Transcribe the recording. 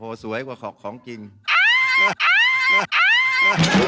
ที่จะเป็นความสุขของชาวบ้าน